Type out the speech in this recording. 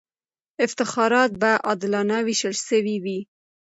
افتخارات به عادلانه وېشل سوي وي.